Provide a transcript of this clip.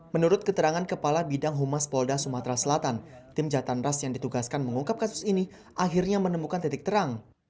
menurut keterangan kepala bidang humas polda sumatera selatan tim jatan ras yang ditugaskan mengungkap kasus ini akhirnya menemukan titik terang